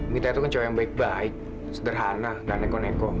mita itu kan cowok yang baik baik sederhana gak neko neko